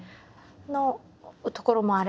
のところもあれば。